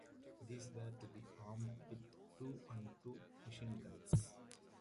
These were to be armed with two and two machine guns.